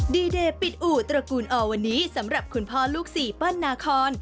ดีเดย์ปิดอู่ตระกูลอวันนี้สำหรับคุณพ่อลูกสี่เปิ้ลนาคอน